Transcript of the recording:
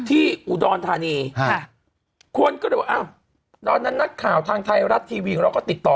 ที่อุดรธานีคนก็เลยบอกอ้าวตอนนั้นนักข่าวทางไทยรัฐทีวีของเราก็ติดต่อ